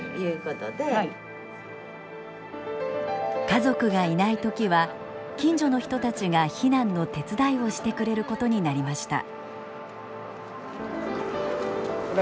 家族がいない時は近所の人たちが避難の手伝いをしてくれることになりました。